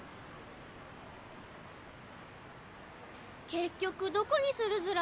結局どこにするずら？